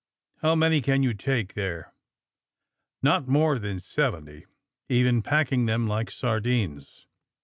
" ''How many can you take there?" "Not more than seventy, even packing them like sardines."